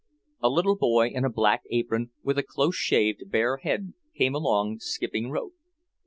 A little boy in a black apron, with a close shaved, bare head, came along, skipping rope.